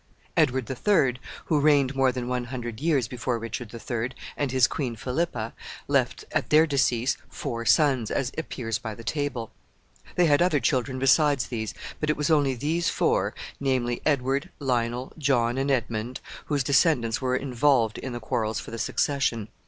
Edward the Third, who reigned more than one hundred years before Richard the Third, and his queen Philippa, left at their decease four sons, as appears by the table.[C] They had other children besides these, but it was only these four, namely, Edward, Lionel, John, and Edmund, whose descendants were involved in the quarrels for the succession.